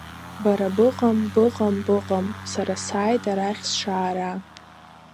Бара быҟам, быҟам, быҟам, сара сааит арахь сшаара.